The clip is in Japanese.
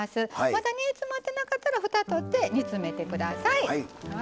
まだ煮詰まってなかったらふたをとって煮詰めてください。